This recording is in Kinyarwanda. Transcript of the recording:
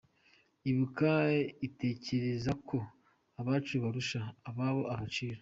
Ibuka itekerezako “abacu” barusha ” ababo” agaciro?